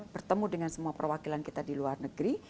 bertemu dengan semua perwakilan kita di luar negeri